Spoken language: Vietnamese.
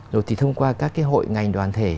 rồi thì thông qua các hội ngành đoàn thể